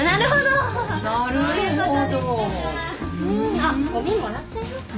あっごみもらっちゃいますね。